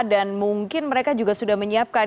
dan mungkin mereka juga sudah menyiapkan